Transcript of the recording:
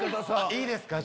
いいですか？